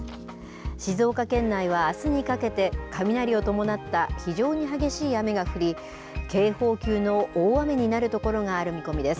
静岡県内はあすにかけて、雷を伴った非常に激しい雨が降り、警報級の大雨になる所がある見込みです。